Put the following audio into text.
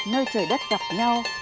nơi trời đất gặp nhau